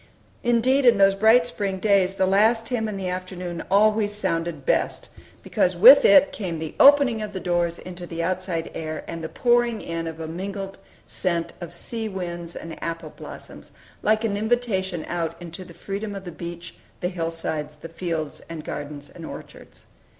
Indeed, in those bright spring days, the last hymn in the afternoon always sounded best, because with it came the opening of doors into the outside air, and the pouring in of a mingled scent of sea winds and apple blossoms, like an invitation out into the freedom of the beach, the hillsides, the fields and gardens and orchards.